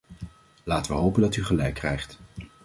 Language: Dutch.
Laten we hopen dat u gelijk krijgt!